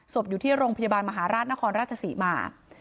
อยู่ที่โรงพยาบาลมหาราชนครราชศรีมา